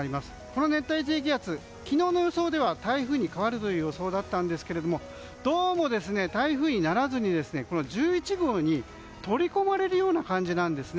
この熱帯低気圧、昨日の予想では台風に変わるという予想でしたがどうも台風にならずに１１号に取り込まれるような感じなんです。